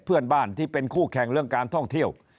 เพื่อนบ้านที่เป็นคู่แข่งเรื่องการท่องเที่ยว